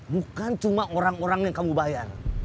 bukan cuma orang orang yang kamu bayar